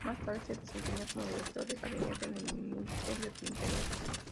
Más tarde se desempeñó como director de gabinete en el Ministerio del Interior.